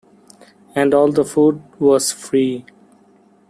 And all the food was free.